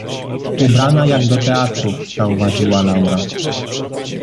— Ubrana jak do teatru — zauważyła Laura.